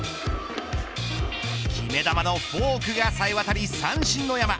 決め球のフォークがさえ渡り三振の山。